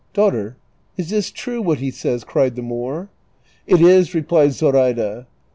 "Daughter, is this true, what he says?" cried the Moor. " It is," replied Zoraida.